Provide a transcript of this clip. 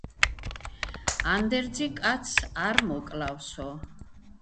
ანდერძი კაცს არ მოკლავსო